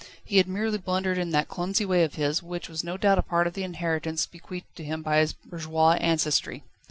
He had merely blundered in that clumsy way of his, which was no doubt a part of the inheritance bequeathed to him by his bourgeois ancestry.